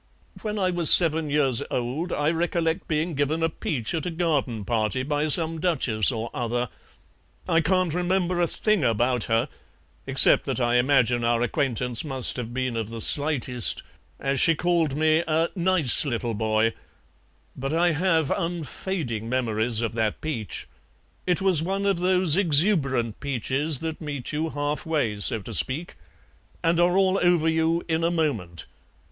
When I was seven years old I recollect being given a peach at a garden party by some Duchess or other; I can't remember a thing about her, except that I imagine our acquaintance must have been of the slightest, as she called me a 'nice little boy,' but I have unfading memories of that peach. It was one of those exuberant peaches that meet you halfway, so to speak, and are all over you in a moment.